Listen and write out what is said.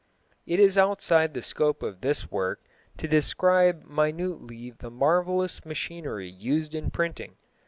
It is outside the scope of this work to describe minutely the marvellous machinery used in printing.